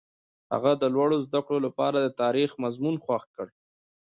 هغه د لوړو زده کړو لپاره د تاریخ مضمون خوښ کړ.